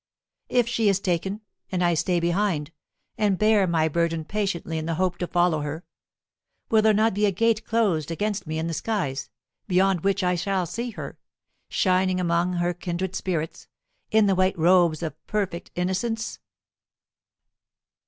If she is taken, and I stay behind, and bear my burden patiently in the hope to follow her, will there not be a gate closed against me in the skies, beyond which I shall see her, shining among her kindred spirits, in the white robes of perfect innocence?